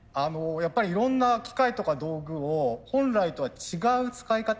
やっぱりいろんな機械とか道具を本来とは違う使い方